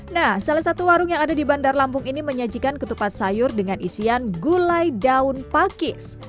nah salah satu warung yang ada di bandar lampung ini menyajikan ketupat sayur dengan isian gulai daun pakis